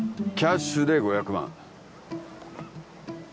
キャッシュで５００万